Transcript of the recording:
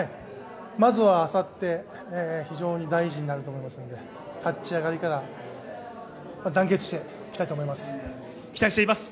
まずはあさって、非常に大事になると思いますので立ち上がりから団結していきたいと思います。